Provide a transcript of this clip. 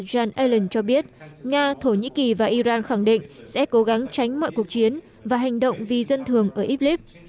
sgt alan allen cho biết nga thổ nhĩ kỳ và iran khẳng định sẽ cố gắng tránh mọi cuộc chiến và hành động vì dân thường ở idlib